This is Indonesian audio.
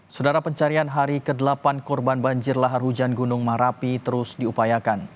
saudara pencarian hari ke delapan korban banjir lahar hujan gunung merapi terus diupayakan